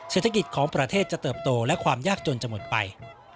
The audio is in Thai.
เศรษฐกิจของประเทศจะเติบโตและความยากจนจะหมดไป